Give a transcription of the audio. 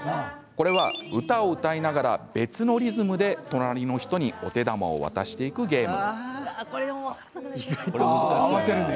これは、歌を歌いながら別のリズムで隣の人にお手玉を渡していくゲーム。